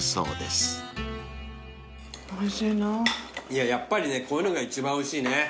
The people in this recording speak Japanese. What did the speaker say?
いややっぱりねこういうのが一番おいしいね。